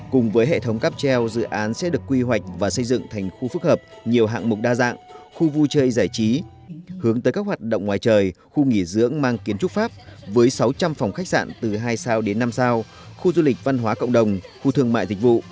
cùng với hệ thống cắp treo dự án sẽ được quy hoạch và xây dựng thành khu phức hợp nhiều hạng mục đa dạng khu vui chơi giải trí hướng tới các hoạt động ngoài trời khu nghỉ dưỡng mang kiến trúc pháp với sáu trăm linh phòng khách sạn từ hai sao đến năm sao khu du lịch văn hóa cộng đồng khu thương mại dịch vụ